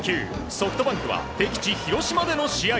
ソフトバンクは敵地、広島での試合。